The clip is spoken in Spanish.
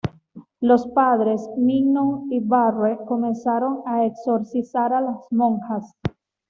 Los padres Mignon y Barre comenzaron a exorcizar a las monjas.